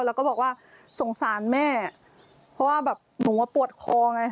แล้วก็บอกว่าสงสารแม่เพราะว่าแบบหนูว่าปวดคอไง